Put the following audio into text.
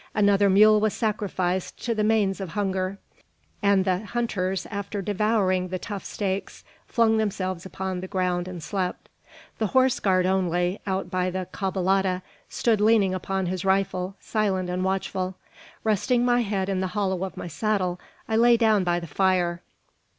Another mule was sacrificed to the manes of hunger; and the hunters, after devouring the tough steaks, flung themselves upon the ground and slept. The horse guard only, out by the caballada, stood leaning upon his rifle, silent and watchful. Resting my head in the hollow of my saddle, I lay down by the fire.